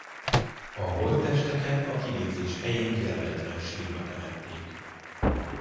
A holttesteket a kivégzés helyén jelöletlen sírba temették.